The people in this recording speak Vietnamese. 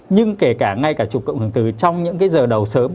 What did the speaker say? nhưng kể cả ngay cả chụp cộng hưởng tử trong những cái giờ đầu sớm